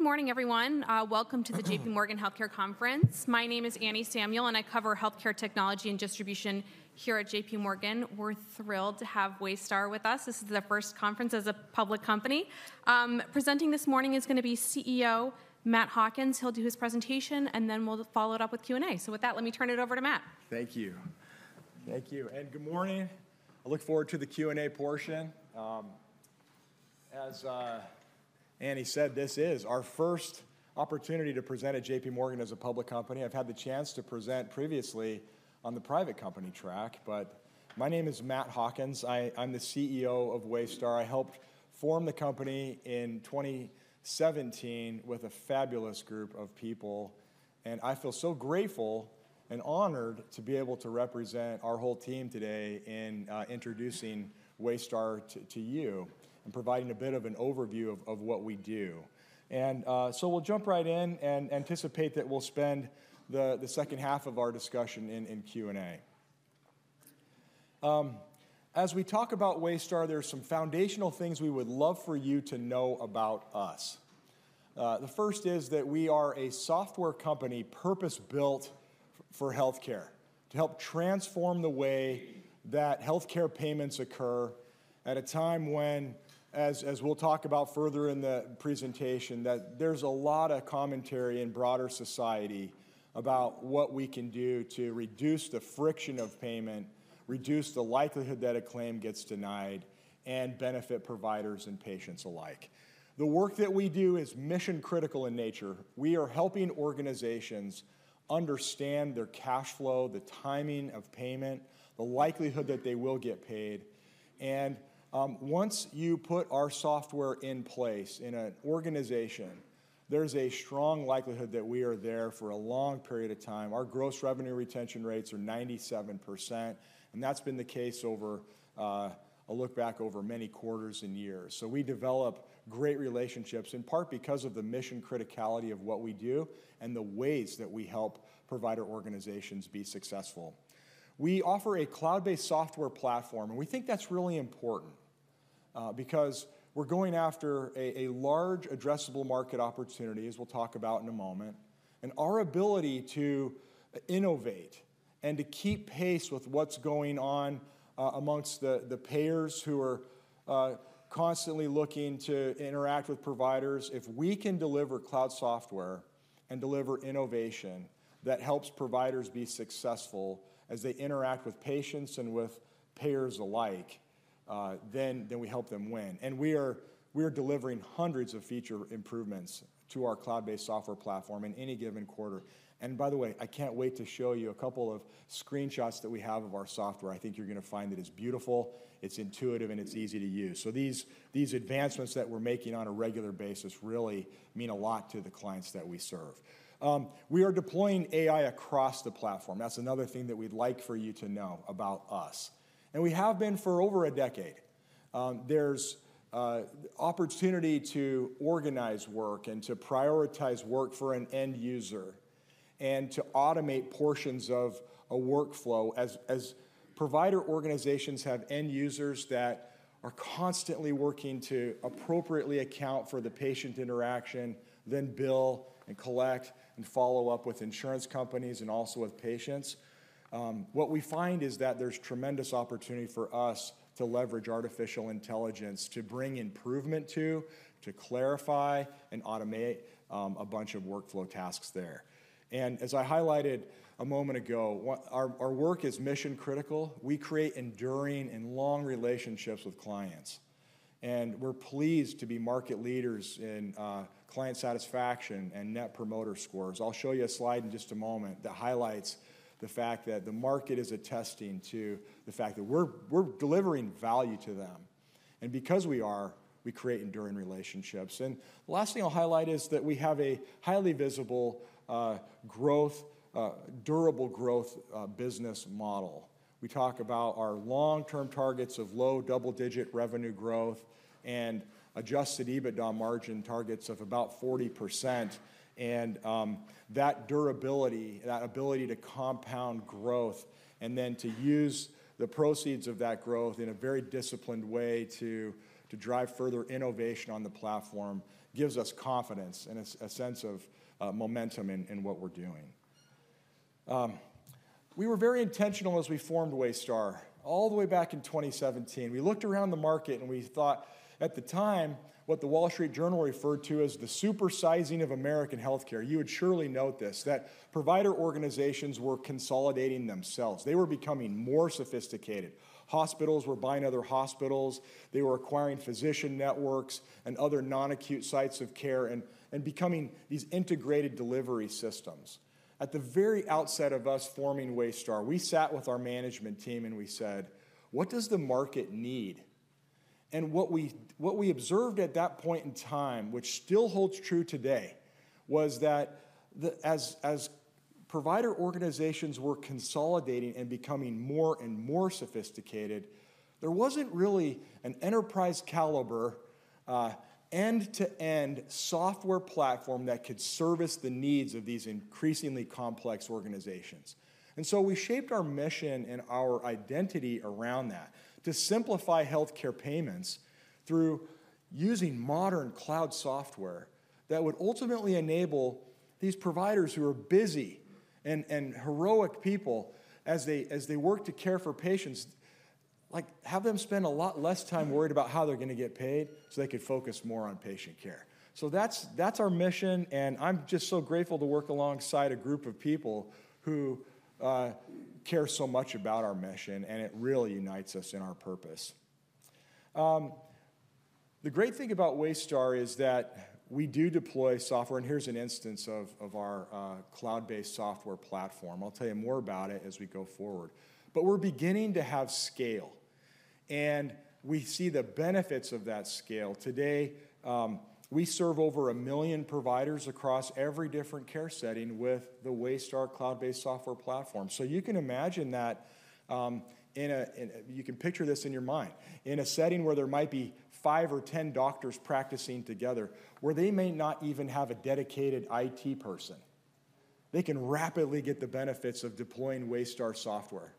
Good morning, everyone. Welcome to the J.P.Morgan Healthcare Conference. My name is Anne Samuel, and I cover healthcare technology and distribution here at J.P.Morgan. We're thrilled to have Waystar with us. This is their first conference as a public company. Presenting this morning is going to be CEO Matt Hawkins. He'll do his presentation, and then we'll follow it up with Q&A. So with that, let me turn it over to Matt. Thank you. Thank you. And good morning. I look forward to the Q&A portion. As Annie said, this is our first opportunity to present at J.P.Morgan as a public company. I've had the chance to present previously on the private company track, but my name is Matt Hawkins. I'm the CEO of Waystar. I helped form the company in 2017 with a fabulous group of people. And I feel so grateful and honored to be able to represent our whole team today in introducing Waystar to you and providing a bit of an overview of what we do. And so we'll jump right in and anticipate that we'll spend the second half of our discussion in Q&A. As we talk about Waystar, there are some foundational things we would love for you to know about us. The first is that we are a software company purpose-built for healthcare to help transform the way that healthcare payments occur at a time when, as we'll talk about further in the presentation, there's a lot of commentary in broader society about what we can do to reduce the friction of payment, reduce the likelihood that a claim gets denied, and benefit providers and patients alike. The work that we do is mission-critical in nature. We are helping organizations understand their cash flow, the timing of payment, the likelihood that they will get paid. And once you put our software in place in an organization, there's a strong likelihood that we are there for a long period of time. Our gross revenue retention rates are 97%, and that's been the case over, I'll look back, over many quarters and years. So we develop great relationships, in part because of the mission criticality of what we do and the ways that we help provider organizations be successful. We offer a cloud-based software platform, and we think that's really important because we're going after a large addressable market opportunity, as we'll talk about in a moment. And our ability to innovate and to keep pace with what's going on amongst the payers who are constantly looking to interact with providers, if we can deliver cloud software and deliver innovation that helps providers be successful as they interact with patients and with payers alike, then we help them win. And we are delivering hundreds of feature improvements to our cloud-based software platform in any given quarter. And by the way, I can't wait to show you a couple of screenshots that we have of our software. I think you're going to find that it's beautiful, it's intuitive, and it's easy to use. So these advancements that we're making on a regular basis really mean a lot to the clients that we serve. We are deploying AI across the platform. That's another thing that we'd like for you to know about us. And we have been for over a decade. There's the opportunity to organize work and to prioritize work for an end user and to automate portions of a workflow. As provider organizations have end users that are constantly working to appropriately account for the patient interaction, then bill and collect and follow up with insurance companies and also with patients, what we find is that there's tremendous opportunity for us to leverage artificial intelligence to bring improvement to, to clarify and automate a bunch of workflow tasks there. As I highlighted a moment ago, our work is mission-critical. We create enduring and long relationships with clients. We're pleased to be market leaders in client satisfaction and Net Promoter Scores. I'll show you a slide in just a moment that highlights the fact that the market is attesting to the fact that we're delivering value to them. Because we are, we create enduring relationships. The last thing I'll highlight is that we have a highly visible growth, durable growth business model. We talk about our long-term targets of low double-digit revenue growth and Adjusted EBITDA margin targets of about 40%. That durability, that ability to compound growth and then to use the proceeds of that growth in a very disciplined way to drive further innovation on the platform gives us confidence and a sense of momentum in what we're doing. We were very intentional as we formed Waystar all the way back in 2017. We looked around the market and we thought at the time what the Wall Street Journal referred to as the supersizing of American healthcare. You would surely note this, that provider organizations were consolidating themselves. They were becoming more sophisticated. Hospitals were buying other hospitals. They were acquiring physician networks and other non-acute sites of care and becoming these integrated delivery systems. At the very outset of us forming Waystar, we sat with our management team and we said, "What does the market need?" And what we observed at that point in time, which still holds true today, was that as provider organizations were consolidating and becoming more and more sophisticated, there wasn't really an enterprise-caliber end-to-end software platform that could service the needs of these increasingly complex organizations. And so we shaped our mission and our identity around that to simplify healthcare payments through using modern cloud software that would ultimately enable these providers who are busy and heroic people as they work to care for patients, like have them spend a lot less time worried about how they're going to get paid so they could focus more on patient care. So that's our mission, and I'm just so grateful to work alongside a group of people who care so much about our mission, and it really unites us in our purpose. The great thing about Waystar is that we do deploy software, and here's an instance of our cloud-based software platform. I'll tell you more about it as we go forward. But we're beginning to have scale, and we see the benefits of that scale. Today, we serve over a million providers across every different care setting with the Waystar cloud-based software platform. So you can imagine that you can picture this in your mind in a setting where there might be five or 10 doctors practicing together, where they may not even have a dedicated IT person. They can rapidly get the benefits of deploying Waystar software,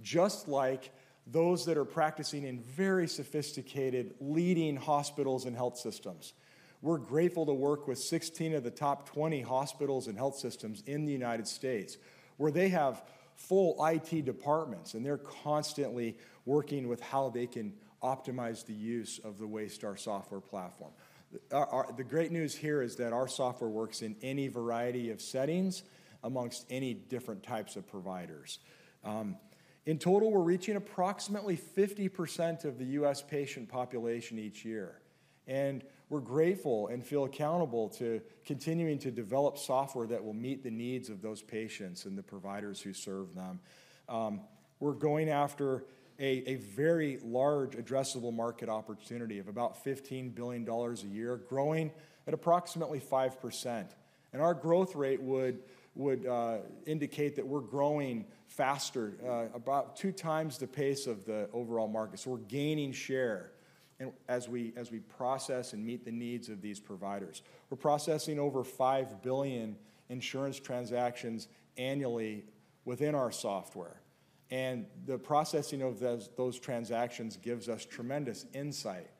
just like those that are practicing in very sophisticated, leading hospitals and health systems. We're grateful to work with 16 of the top 20 hospitals and health systems in the United States, where they have full IT departments, and they're constantly working with how they can optimize the use of the Waystar software platform. The great news here is that our software works in any variety of settings amongst any different types of providers. In total, we're reaching approximately 50% of the U.S. patient population each year. And we're grateful and feel accountable to continuing to develop software that will meet the needs of those patients and the providers who serve them. We're going after a very large addressable market opportunity of about $15 billion a year, growing at approximately 5%. And our growth rate would indicate that we're growing faster, about two times the pace of the overall market. So we're gaining share as we process and meet the needs of these providers. We're processing over 5 billion insurance transactions annually within our software. And the processing of those transactions gives us tremendous insight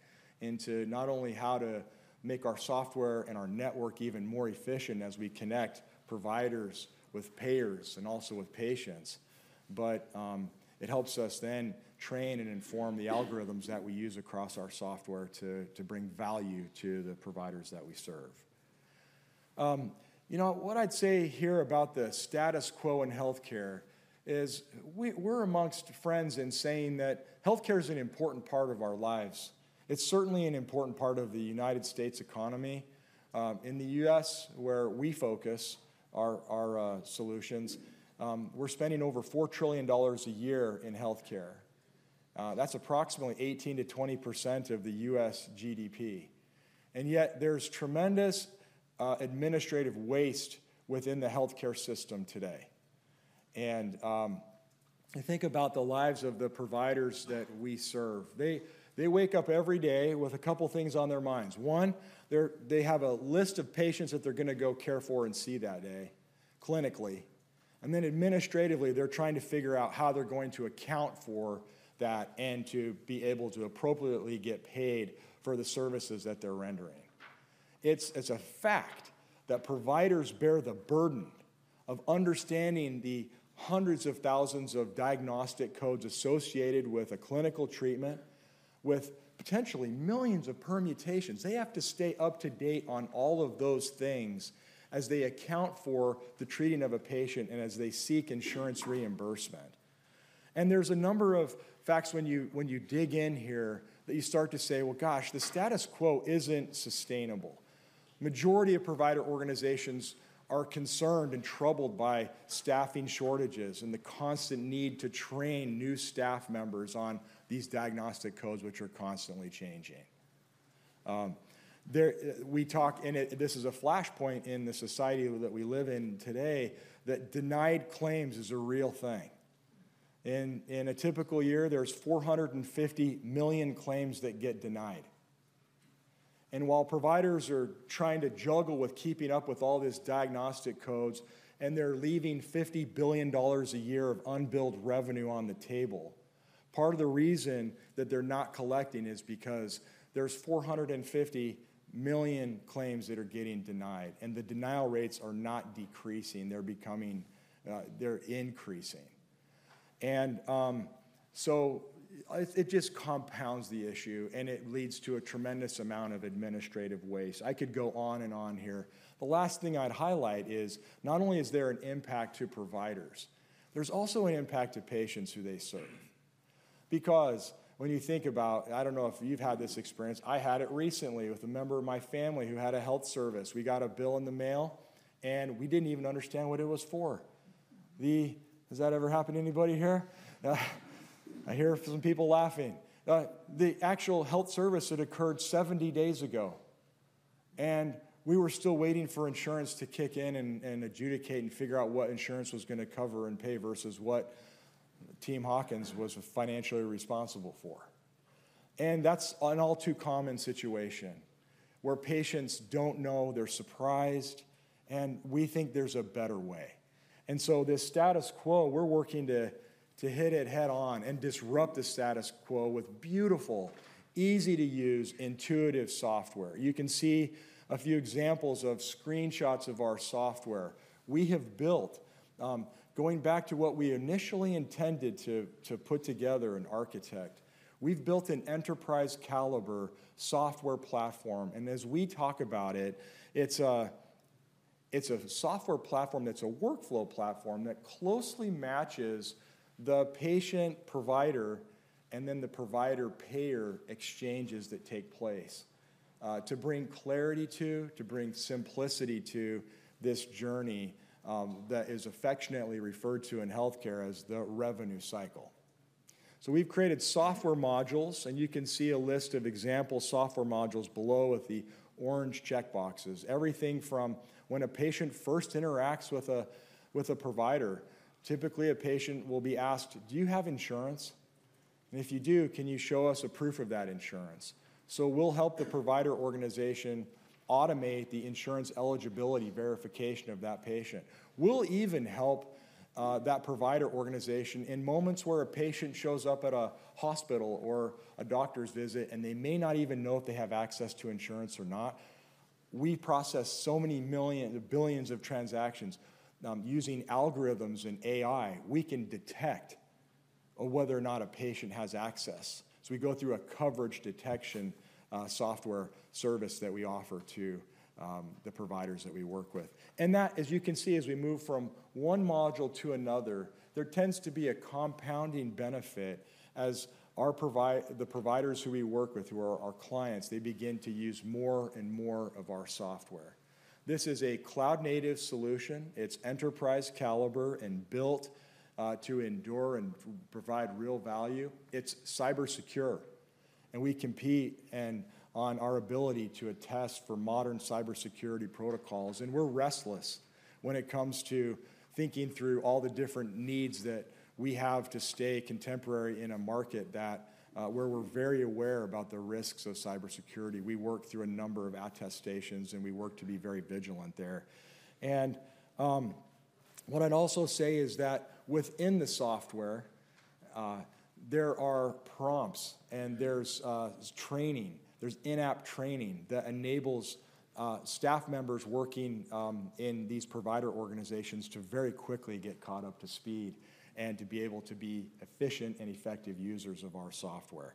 into not only how to make our software and our network even more efficient as we connect providers with payers and also with patients, but it helps us then train and inform the algorithms that we use across our software to bring value to the providers that we serve. You know, what I'd say here about the status quo in healthcare is we're amongst friends in saying that healthcare is an important part of our lives. It's certainly an important part of the United States economy. In the U.S., where we focus our solutions, we're spending over $4 trillion a year in healthcare. That's approximately 18%-20% of the U.S. GDP, and yet there's tremendous administrative waste within the healthcare system today, and I think about the lives of the providers that we serve. They wake up every day with a couple of things on their minds. One, they have a list of patients that they're going to go care for and see that day clinically, and then administratively, they're trying to figure out how they're going to account for that and to be able to appropriately get paid for the services that they're rendering. It's a fact that providers bear the burden of understanding the hundreds of thousands of diagnostic codes associated with a clinical treatment with potentially millions of permutations. They have to stay up to date on all of those things as they account for the treating of a patient and as they seek insurance reimbursement. And there's a number of facts when you dig in here that you start to say, "Well, gosh, the status quo isn't sustainable." The majority of provider organizations are concerned and troubled by staffing shortages and the constant need to train new staff members on these diagnostic codes, which are constantly changing. We talk, and this is a flashpoint in the society that we live in today, that denied claims is a real thing. In a typical year, there's 450 million claims that get denied. And while providers are trying to juggle with keeping up with all these diagnostic codes and they're leaving $50 billion a year of unbilled revenue on the table, part of the reason that they're not collecting is because there's 450 million claims that are getting denied, and the denial rates are not decreasing. They're increasing. And so it just compounds the issue, and it leads to a tremendous amount of administrative waste. I could go on and on here. The last thing I'd highlight is not only is there an impact to providers, there's also an impact to patients who they serve. Because when you think about, I don't know if you've had this experience, I had it recently with a member of my family who had a health service. We got a bill in the mail, and we didn't even understand what it was for. Has that ever happened to anybody here? I hear some people laughing. The actual health service had occurred 70 days ago, and we were still waiting for insurance to kick in and adjudicate and figure out what insurance was going to cover and pay versus what Team Hawkins was financially responsible for, and that's an all-too-common situation where patients don't know, they're surprised, and we think there's a better way, and so this status quo, we're working to hit it head-on and disrupt the status quo with beautiful, easy-to-use, intuitive software. You can see a few examples of screenshots of our software we have built. Going back to what we initially intended to put together an architecture, we've built an enterprise-caliber software platform. And as we talk about it, it's a software platform that's a workflow platform that closely matches the patient-provider and then the provider-payer exchanges that take place to bring clarity to, to bring simplicity to this journey that is affectionately referred to in healthcare as the revenue cycle. So we've created software modules, and you can see a list of example software modules below with the orange checkboxes. Everything from when a patient first interacts with a provider, typically a patient will be asked, "Do you have insurance?" and if you do, "Can you show us a proof of that insurance?" So we'll help the provider organization automate the insurance eligibility verification of that patient. We'll even help that provider organization in moments where a patient shows up at a hospital or a doctor's visit and they may not even know if they have access to insurance or not. We process so many millions, billions of transactions using algorithms and AI. We can detect whether or not a patient has access. So we go through a coverage detection software service that we offer to the providers that we work with. And that, as you can see, as we move from one module to another, there tends to be a compounding benefit as the providers who we work with, who are our clients, they begin to use more and more of our software. This is a cloud-native solution. It's enterprise-caliber and built to endure and provide real value. It's cybersecure, and we compete on our ability to attest for modern cybersecurity protocols. And we're restless when it comes to thinking through all the different needs that we have to stay contemporary in a market where we're very aware about the risks of cybersecurity. We work through a number of attestations, and we work to be very vigilant there. And what I'd also say is that within the software, there are prompts and there's training. There's in-app training that enables staff members working in these provider organizations to very quickly get caught up to speed and to be able to be efficient and effective users of our software.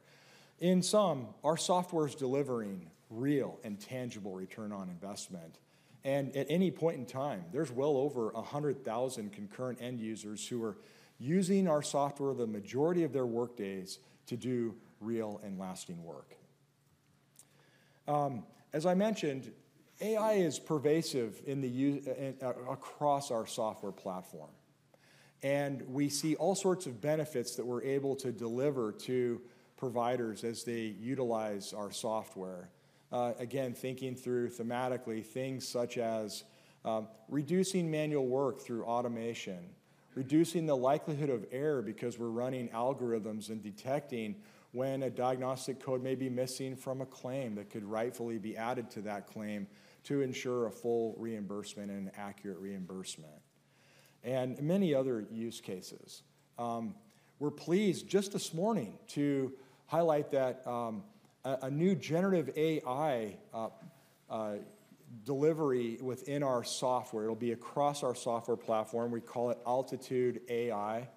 In sum, our software is delivering real and tangible return on investment. And at any point in time, there's well over 100,000 concurrent end users who are using our software the majority of their workdays to do real and lasting work. As I mentioned, AI is pervasive across our software platform, and we see all sorts of benefits that we're able to deliver to providers as they utilize our software. Again, thinking through thematically, things such as reducing manual work through automation, reducing the likelihood of error because we're running algorithms and detecting when a diagnostic code may be missing from a claim that could rightfully be added to that claim to ensure a full reimbursement and an accurate reimbursement, and many other use cases. We're pleased just this morning to highlight that a new generative AI delivery within our software will be across our software platform. We call it Altitude AI.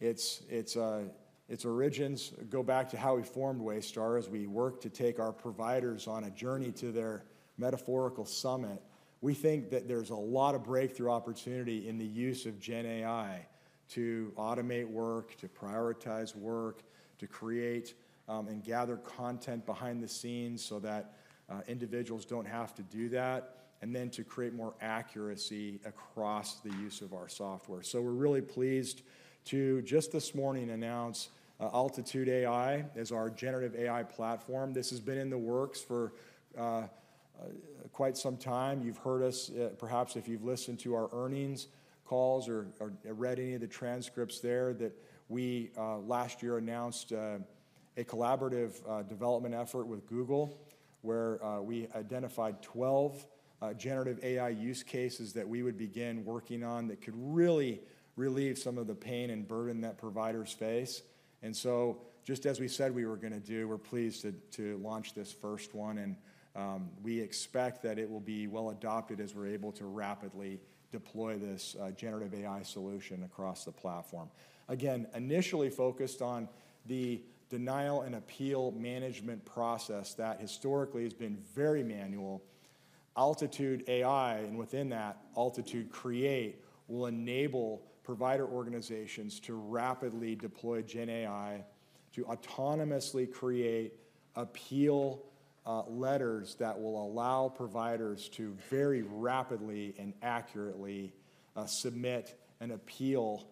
Its origins go back to how we formed Waystar as we worked to take our providers on a journey to their metaphorical summit. We think that there's a lot of breakthrough opportunity in the use of GenAI to automate work, to prioritize work, to create and gather content behind the scenes so that individuals don't have to do that, and then to create more accuracy across the use of our software. So we're really pleased to just this morning announce Altitude AI as our generative AI platform. This has been in the works for quite some time. You've heard us, perhaps if you've listened to our earnings calls or read any of the transcripts there, that we last year announced a collaborative development effort with Google where we identified 12 generative AI use cases that we would begin working on that could really relieve some of the pain and burden that providers face. And so just as we said we were going to do, we're pleased to launch this first one, and we expect that it will be well adopted as we're able to rapidly deploy this generative AI solution across the platform. Again, initially focused on the denial and appeal management process that historically has been very manual, Altitude AI, and within that, Altitude Create, will enable provider organizations to rapidly deploy GenAI to autonomously create appeal letters that will allow providers to very rapidly and accurately submit an appeal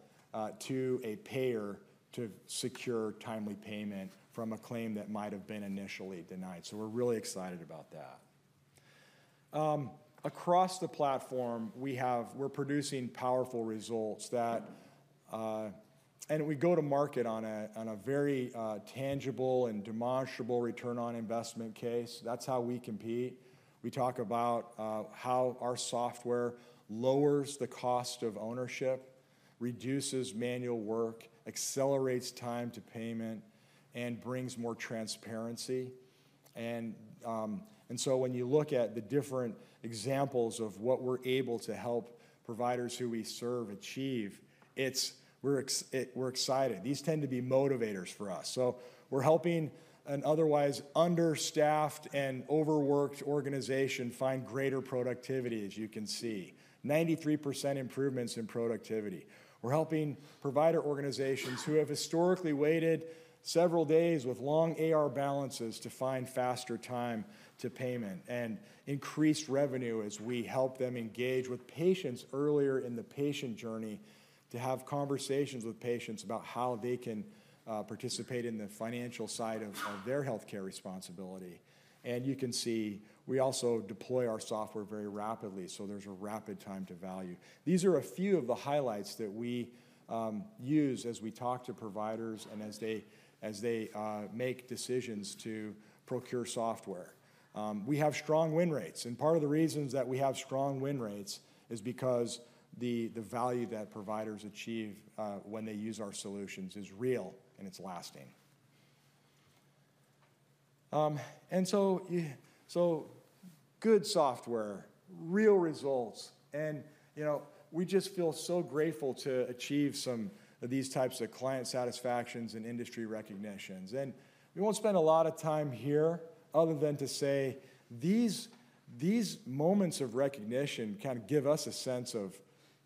to a payer to secure timely payment from a claim that might have been initially denied. So we're really excited about that. Across the platform, we're producing powerful results that, and we go to market on a very tangible and demonstrable return on investment case. That's how we compete. We talk about how our software lowers the cost of ownership, reduces manual work, accelerates time to payment, and brings more transparency, and so when you look at the different examples of what we're able to help providers who we serve achieve, we're excited. These tend to be motivators for us, so we're helping an otherwise understaffed and overworked organization find greater productivity, as you can see, 93% improvements in productivity. We're helping provider organizations who have historically waited several days with long AR balances to find faster time to payment and increased revenue as we help them engage with patients earlier in the patient journey to have conversations with patients about how they can participate in the financial side of their healthcare responsibility, and you can see we also deploy our software very rapidly, so there's a rapid time to value. These are a few of the highlights that we use as we talk to providers and as they make decisions to procure software. We have strong win rates, and part of the reasons that we have strong win rates is because the value that providers achieve when they use our solutions is real and it's lasting, and so good software, real results, and we just feel so grateful to achieve some of these types of client satisfactions and industry recognitions, and we won't spend a lot of time here other than to say these moments of recognition kind of give us a sense that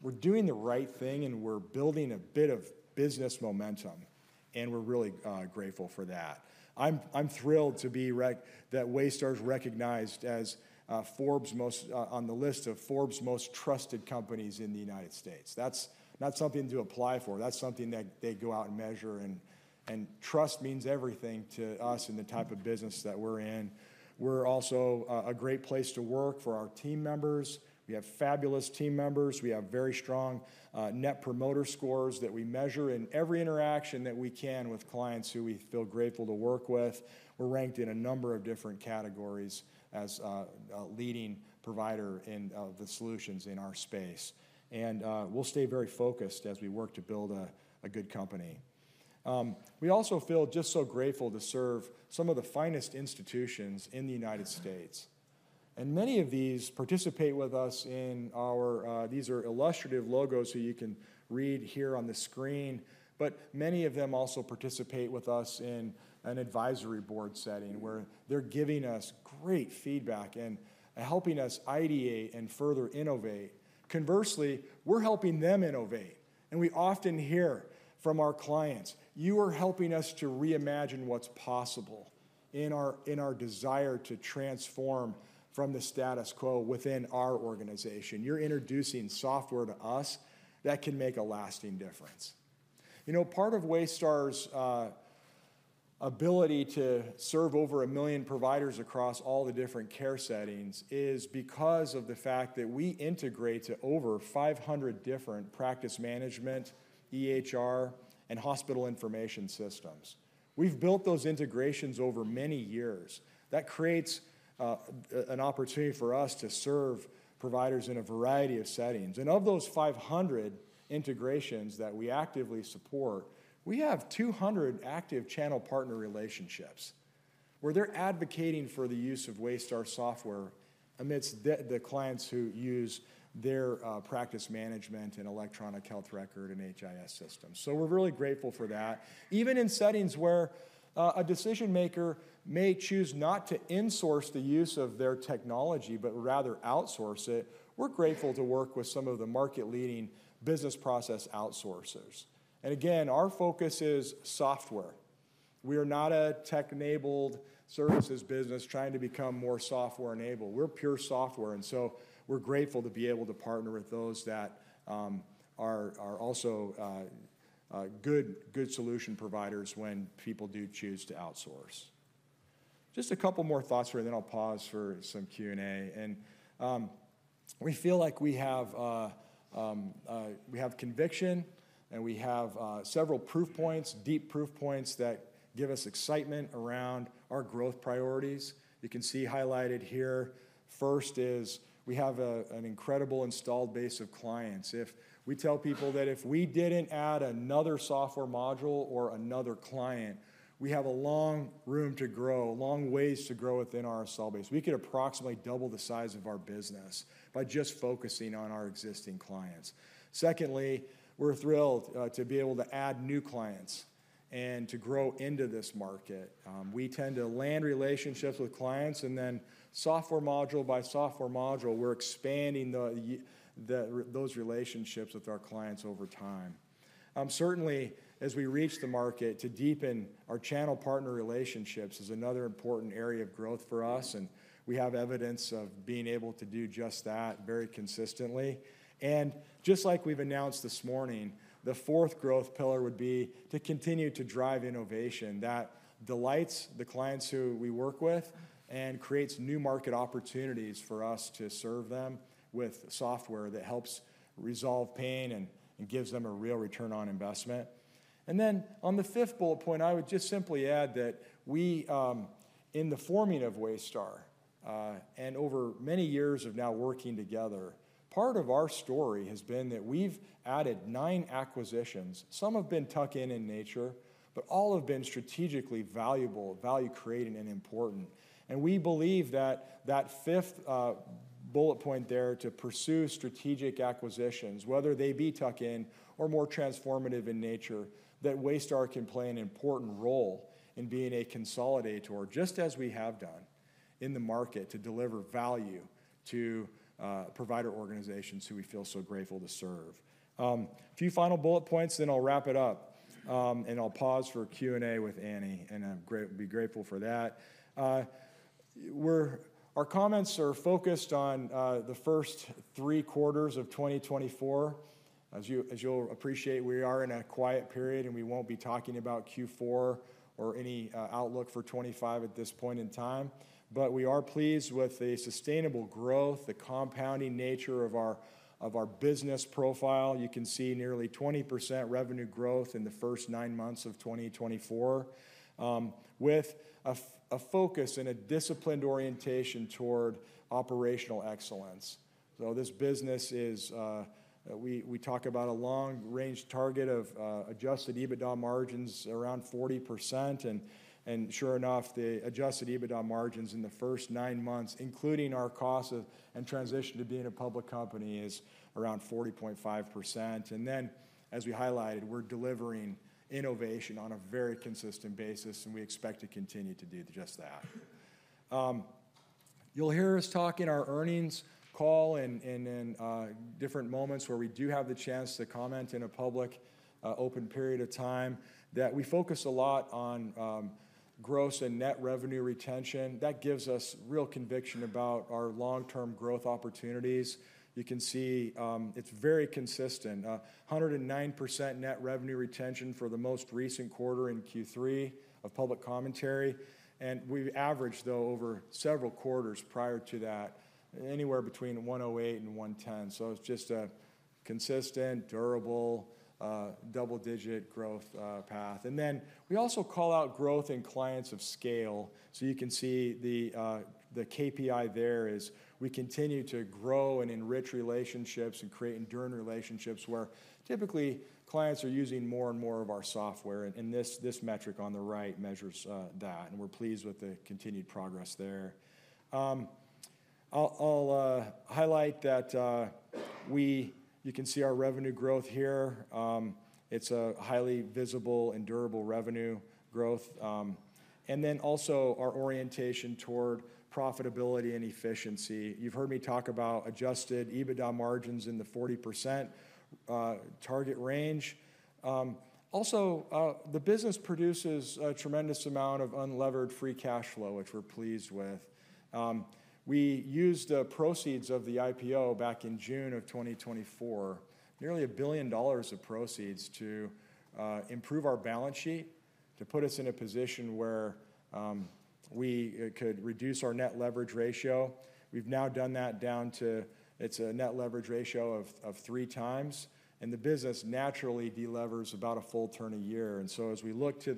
we're doing the right thing and we're building a bit of business momentum, and we're really grateful for that. I'm thrilled that Waystar is recognized on the list of Forbes' most trusted companies in the United States. That's not something to apply for. That's something that they go out and measure, and trust means everything to us in the type of business that we're in. We're also a great place to work for our team members. We have fabulous team members. We have very strong Net Promoter Scores that we measure in every interaction that we can with clients who we feel grateful to work with. We're ranked in a number of different categories as a leading provider in the solutions in our space, and we'll stay very focused as we work to build a good company. We also feel just so grateful to serve some of the finest institutions in the United States, and many of these participate with us. These are illustrative logos who you can read here on the screen, but many of them also participate with us in an advisory board setting where they're giving us great feedback and helping us ideate and further innovate. Conversely, we're helping them innovate, and we often hear from our clients, "You are helping us to reimagine what's possible in our desire to transform from the status quo within our organization. You're introducing software to us that can make a lasting difference." Part of Waystar's ability to serve over a million providers across all the different care settings is because of the fact that we integrate to over 500 different practice management, EHR, and hospital information systems. We've built those integrations over many years. That creates an opportunity for us to serve providers in a variety of settings. And of those 500 integrations that we actively support, we have 200 active channel partner relationships where they're advocating for the use of Waystar software amidst the clients who use their practice management and electronic health record and HIS systems. So we're really grateful for that. Even in settings where a decision maker may choose not to insource the use of their technology but rather outsource it, we're grateful to work with some of the market-leading business process outsourcers. And again, our focus is software. We are not a tech-enabled services business trying to become more software-enabled. We're pure software, and so we're grateful to be able to partner with those that are also good solution providers when people do choose to outsource. Just a couple more thoughts here, then I'll pause for some Q&A. We feel like we have conviction, and we have several proof points, deep proof points that give us excitement around our growth priorities. You can see highlighted here. First is we have an incredible installed base of clients. If we tell people that if we didn't add another software module or another client, we have a long runway to grow, long ways to grow within our client base. We could approximately double the size of our business by just focusing on our existing clients. Secondly, we're thrilled to be able to add new clients and to grow into this market. We tend to land relationships with clients, and then software module by software module, we're expanding those relationships with our clients over time. Certainly, as we reach the market, to deepen our channel partner relationships is another important area of growth for us, and we have evidence of being able to do just that very consistently and just like we've announced this morning, the fourth growth pillar would be to continue to drive innovation that delights the clients who we work with and creates new market opportunities for us to serve them with software that helps resolve pain and gives them a real return on investment and then on the fifth bullet point, I would just simply add that we, in the forming of Waystar and over many years of now working together, part of our story has been that we've added nine acquisitions. Some have been tucked in nature, but all have been strategically valuable, value-creating, and important. We believe that that fifth bullet point there to pursue strategic acquisitions, whether they be tucked in or more transformative in nature, that Waystar can play an important role in being a consolidator, just as we have done in the market to deliver value to provider organizations who we feel so grateful to serve. A few final bullet points, then I'll wrap it up, and I'll pause for Q&A with Annie, and I'll be grateful for that. Our comments are focused on the first three quarters of 2024. As you'll appreciate, we are in a quiet period, and we won't be talking about Q4 or any outlook for 2025 at this point in time, but we are pleased with the sustainable growth, the compounding nature of our business profile. You can see nearly 20% revenue growth in the first nine months of 2024 with a focus and a disciplined orientation toward operational excellence, so this business, as we talk about a long-range target of Adjusted EBITDA margins around 40%, and sure enough, the Adjusted EBITDA margins in the first nine months, including our cost and transition to being a public company, is around 40.5%, and then, as we highlighted, we're delivering innovation on a very consistent basis, and we expect to continue to do just that. You'll hear us talk in our earnings call and in different moments where we do have the chance to comment in a public open period of time that we focus a lot on gross and net revenue retention. That gives us real conviction about our long-term growth opportunities. You can see it's very consistent, 109% Net Revenue Retention for the most recent quarter in Q3 of public commentary, and we've averaged, though, over several quarters prior to that, anywhere between 108% and 110%. So it's just a consistent, durable double-digit growth path, and then we also call out growth in clients of scale, so you can see the KPI there is we continue to grow and enrich relationships and create enduring relationships where typically clients are using more and more of our software, and this metric on the right measures that, and we're pleased with the continued progress there. I'll highlight that you can see our revenue growth here. It's a highly visible and durable revenue growth, and then also our orientation toward profitability and efficiency. You've heard me talk about Adjusted EBITDA margins in the 40% target range. Also, the business produces a tremendous amount of unlevered free cash flow, which we're pleased with. We used the proceeds of the IPO back in June of 2024, nearly $1 billion of proceeds to improve our balance sheet, to put us in a position where we could reduce our net leverage ratio. We've now done that down to it's a net leverage ratio of three times, and the business naturally delivers about a full turn a year. And so as we look to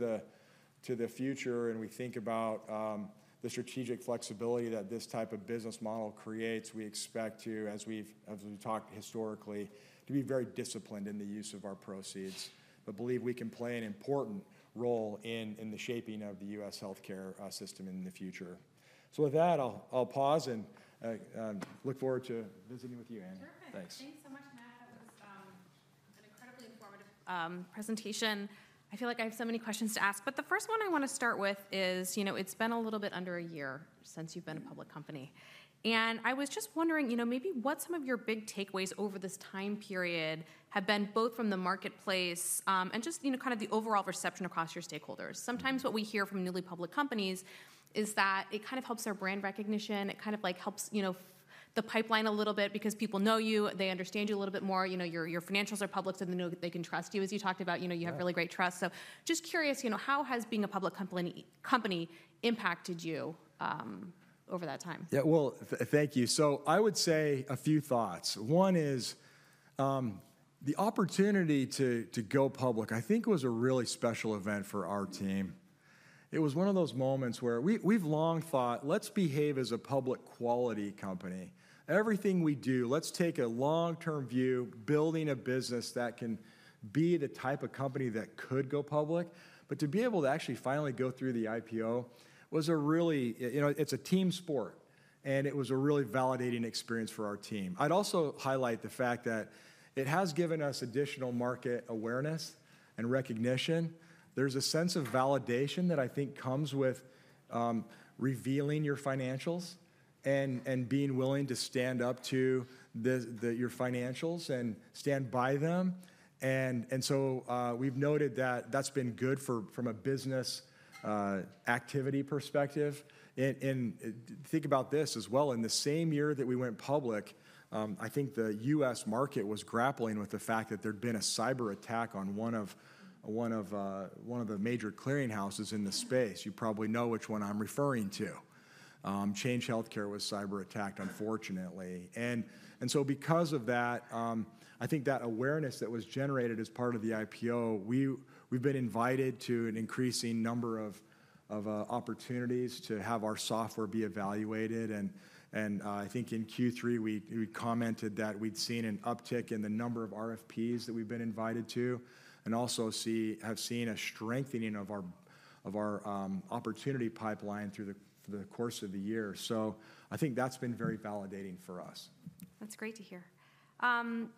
the future and we think about the strategic flexibility that this type of business model creates, we expect to, as we've talked historically, to be very disciplined in the use of our proceeds, but believe we can play an important role in the shaping of the U.S. healthcare system in the future. So with that, I'll pause and look forward to visiting with you, Annie. Terrific. Thanks so much, Matt. That was an incredibly informative presentation. I feel like I have so many questions to ask, but the first one I want to start with is it's been a little bit under a year since you've been a public company, and I was just wondering maybe what some of your big takeaways over this time period have been both from the marketplace and just kind of the overall perception across your stakeholders. Sometimes what we hear from newly public companies is that it kind of helps their brand recognition. It kind of helps the pipeline a little bit because people know you, they understand you a little bit more, your financials are public, so they can trust you, as you talked about. You have really great trust, so just curious, how has being a public company impacted you over that time? Yeah, well, thank you, so I would say a few thoughts. One is the opportunity to go public, I think, was a really special event for our team. It was one of those moments where we've long thought, let's behave as a public quality company. Everything we do, let's take a long-term view, building a business that can be the type of company that could go public, but to be able to actually finally go through the IPO was a really, it's a team sport, and it was a really validating experience for our team. I'd also highlight the fact that it has given us additional market awareness and recognition. There's a sense of validation that I think comes with revealing your financials and being willing to stand up to your financials and stand by them, and so we've noted that that's been good from a business activity perspective. Think about this as well. In the same year that we went public, I think the U.S. market was grappling with the fact that there'd been a cyber attack on one of the major clearing houses in the space. You probably know which one I'm referring to. Change Healthcare was cyber attacked, unfortunately. And so because of that, I think that awareness that was generated as part of the IPO. We've been invited to an increasing number of opportunities to have our software be evaluated. And I think in Q3, we commented that we'd seen an uptick in the number of RFPs that we've been invited to and also have seen a strengthening of our opportunity pipeline through the course of the year. So I think that's been very validating for us. That's great to hear.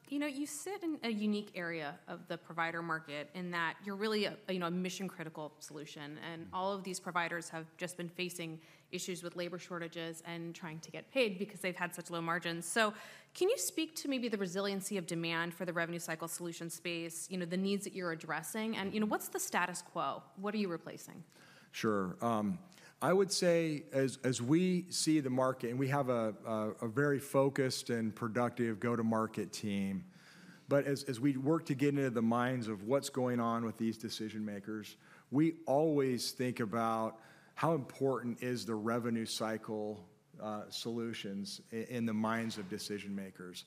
You sit in a unique area of the provider market in that you're really a mission-critical solution, and all of these providers have just been facing issues with labor shortages and trying to get paid because they've had such low margins. So can you speak to maybe the resiliency of demand for the revenue cycle solution space, the needs that you're addressing, and what's the status quo? What are you replacing? Sure. I would say as we see the market, and we have a very focused and productive go-to-market team, but as we work to get into the minds of what's going on with these decision makers, we always think about how important is the revenue cycle solutions in the minds of decision makers,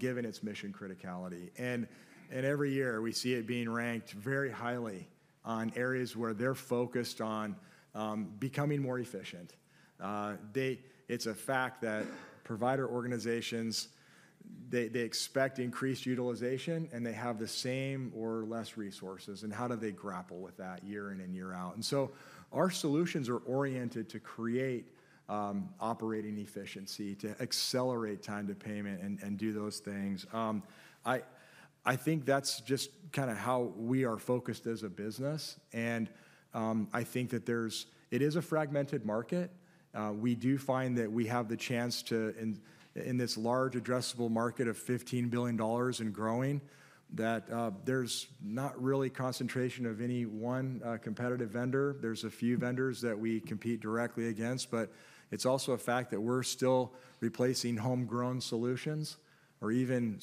given its mission criticality, and every year we see it being ranked very highly on areas where they're focused on becoming more efficient. It's a fact that provider organizations, they expect increased utilization, and they have the same or less resources, and how do they grapple with that year in and year out, and so our solutions are oriented to create operating efficiency, to accelerate time to payment, and do those things. I think that's just kind of how we are focused as a business, and I think that it is a fragmented market. We do find that we have the chance to, in this large addressable market of $15 billion and growing, that there's not really concentration of any one competitive vendor. There's a few vendors that we compete directly against, but it's also a fact that we're still replacing homegrown solutions or even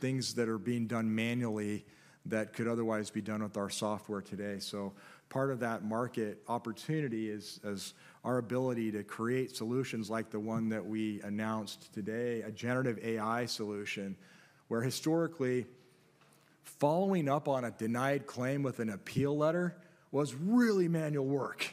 things that are being done manually that could otherwise be done with our software today. So part of that market opportunity is our ability to create solutions like the one that we announced today, a generative AI solution, where historically following up on a denied claim with an appeal letter was really manual work.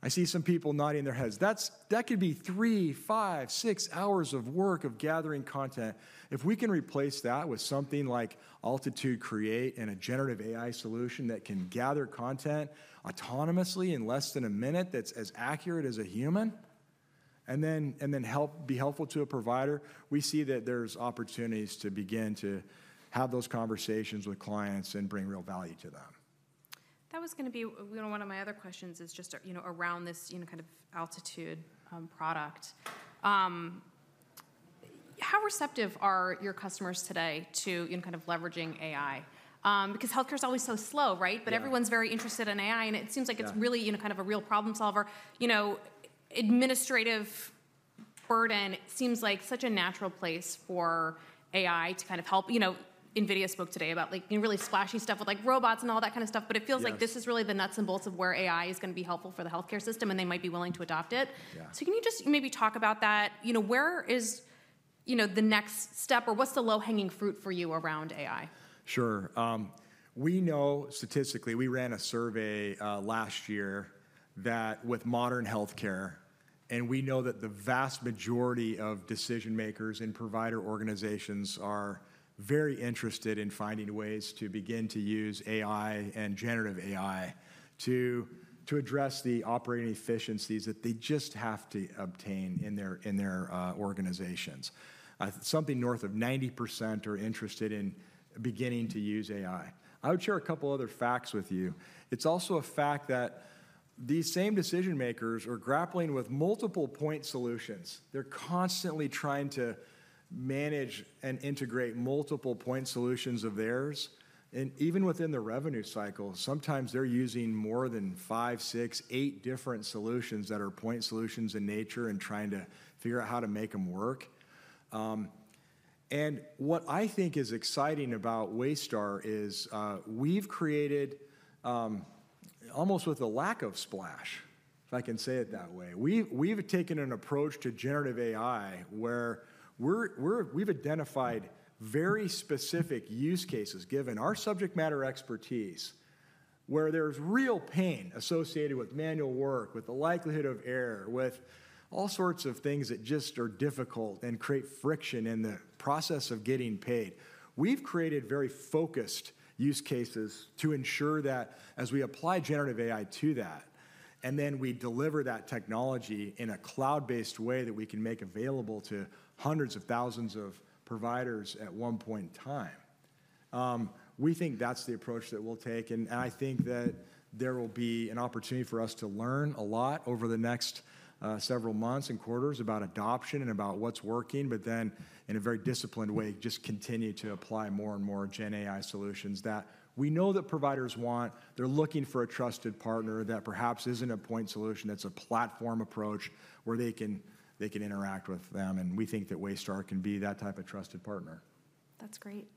I see some people nodding their heads. That could be three, five, six hours of work of gathering content. If we can replace that with something like Altitude Create and a generative AI solution that can gather content autonomously in less than a minute that's as accurate as a human and then be helpful to a provider, we see that there's opportunities to begin to have those conversations with clients and bring real value to them. That was going to be one of my other questions is just around this kind of Altitude product. How receptive are your customers today to kind of leveraging AI? Because healthcare is always so slow, right? But everyone's very interested in AI, and it seems like it's really kind of a real problem solver. Administrative burden, it seems like such a natural place for AI to kind of help. NVIDIA spoke today about really splashy stuff with robots and all that kind of stuff, but it feels like this is really the nuts and bolts of where AI is going to be helpful for the healthcare system, and they might be willing to adopt it. So can you just maybe talk about that? Where is the next step, or what's the low-hanging fruit for you around AI? Sure. We know statistically, we ran a survey last year with Modern Healthcare, and we know that the vast majority of decision makers and provider organizations are very interested in finding ways to begin to use AI and generative AI to address the operating efficiencies that they just have to obtain in their organizations. Something north of 90% are interested in beginning to use AI. I would share a couple of other facts with you. It's also a fact that these same decision makers are grappling with multiple point solutions. They're constantly trying to manage and integrate multiple point solutions of theirs. And even within the revenue cycle, sometimes they're using more than five, six, eight different solutions that are point solutions in nature and trying to figure out how to make them work. What I think is exciting about Waystar is we've created almost with a lack of splash, if I can say it that way. We've taken an approach to generative AI where we've identified very specific use cases, given our subject matter expertise, where there's real pain associated with manual work, with the likelihood of error, with all sorts of things that just are difficult and create friction in the process of getting paid. We've created very focused use cases to ensure that as we apply generative AI to that, and then we deliver that technology in a cloud-based way that we can make available to hundreds of thousands of providers at one point in time. We think that's the approach that we'll take, and I think that there will be an opportunity for us to learn a lot over the next several months and quarters about adoption and about what's working, but then in a very disciplined way, just continue to apply more and more GenAI solutions that we know that providers want. They're looking for a trusted partner that perhaps isn't a point solution. It's a platform approach where they can interact with them, and we think that Waystar can be that type of trusted partner. That's great.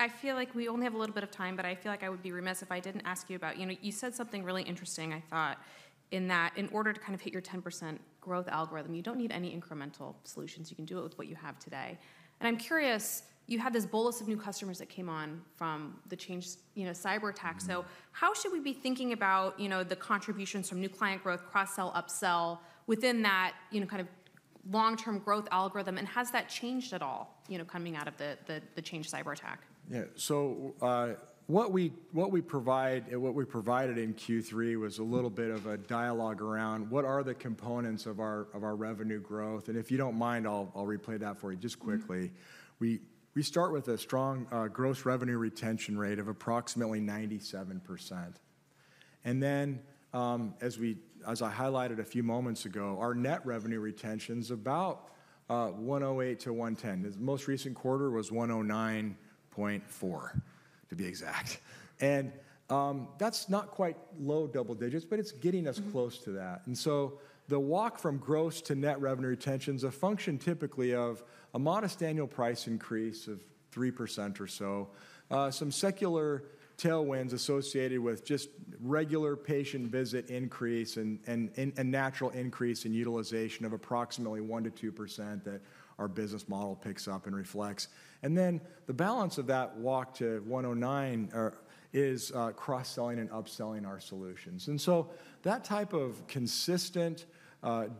I feel like we only have a little bit of time, but I feel like I would be remiss if I didn't ask you about you said something really interesting, I thought, in that in order to kind of hit your 10% growth algorithm, you don't need any incremental solutions. You can do it with what you have today. And I'm curious, you had this bolus of new customers that came on from the Change Healthcare cyber attack. So how should we be thinking about the contributions from new client growth, cross-sell, up-sell within that kind of long-term growth algorithm? And has that changed at all coming out of the Change Healthcare cyber attack? Yeah. So what we provide and what we provided in Q3 was a little bit of a dialogue around what are the components of our revenue growth? And if you don't mind, I'll relay that for you just quickly. We start with a strong gross revenue retention rate of approximately 97%. And then as I highlighted a few moments ago, our net revenue retention is about 108-110. The most recent quarter was 109.4, to be exact. And that's not quite low double digits, but it's getting us close to that. And so the walk from gross to net revenue retention is a function typically of a modest annual price increase of 3% or so, some secular tailwinds associated with just regular patient visit increase and a natural increase in utilization of approximately 1-2% that our business model picks up and reflects. And then the balance of that walk to 109% is cross-selling and up-selling our solutions. And so that type of consistent,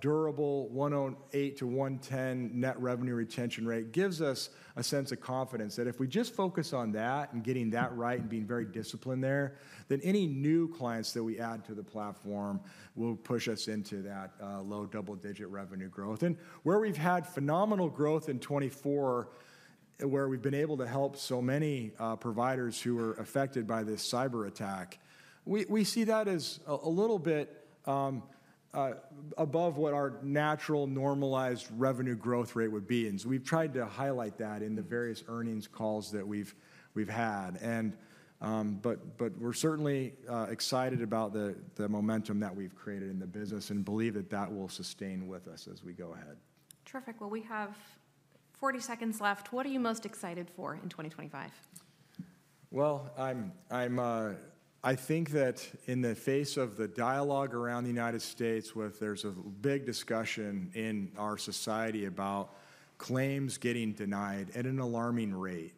durable 108%-110% net revenue retention rate gives us a sense of confidence that if we just focus on that and getting that right and being very disciplined there, then any new clients that we add to the platform will push us into that low double-digit revenue growth. And where we've had phenomenal growth in 2024, where we've been able to help so many providers who were affected by this cyber attack, we see that as a little bit above what our natural normalized revenue growth rate would be. And we've tried to highlight that in the various earnings calls that we've had. But we're certainly excited about the momentum that we've created in the business and believe that that will sustain with us as we go ahead. Terrific. Well, we have 40 seconds left. What are you most excited for in 2025? I think that in the face of the dialogue around the United States, there's a big discussion in our society about claims getting denied at an alarming rate.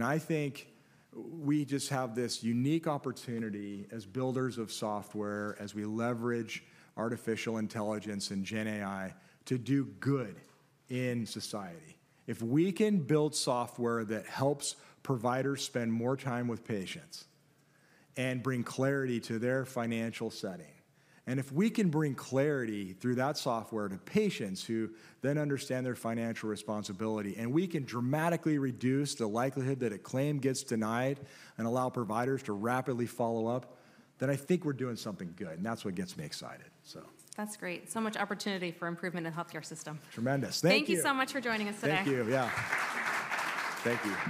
I think we just have this unique opportunity as builders of software, as we leverage artificial intelligence and GenAI to do good in society. If we can build software that helps providers spend more time with patients and bring clarity to their financial setting, and if we can bring clarity through that software to patients who then understand their financial responsibility, and we can dramatically reduce the likelihood that a claim gets denied and allow providers to rapidly follow up, then I think we're doing something good, and that's what gets me excited. That's great. So much opportunity for improvement in the healthcare system. Tremendous. Thank you. Thank you so much for joining us today. Thank you. Yeah. Thank you.